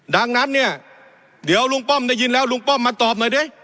ดังนั้นเนี่ยเดี๋ยวลุงป้อมได้ยินแล้วลุงป้อมมาตอบหน่อยดิ